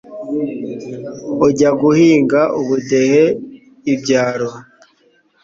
ujya guhinga ubudehe ibyaro